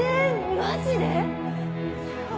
マジで？